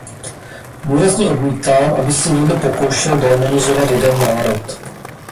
Důrazně odmítám, aby se někdo pokoušel démonizovat jeden národ.